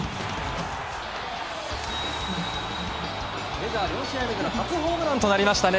メジャー４試合目で初ホームランとなりましたね